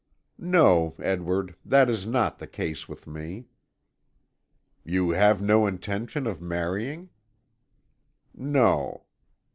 "No, Edward, that is not the case with me." "You have no intention of marrying?" "No."